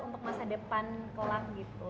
untuk masa depan kolam gitu